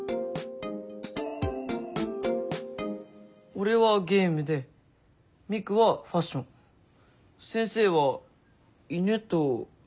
俺はゲームでミクはファッション先生は犬と文学。